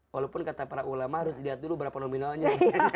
walaupun kata para ulama harus dilihat dulu berapa nominalnya